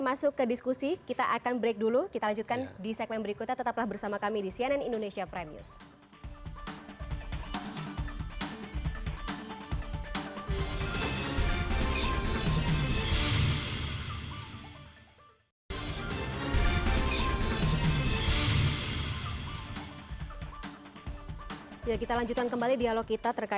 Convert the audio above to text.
masuk ke kelurahan itu sekitar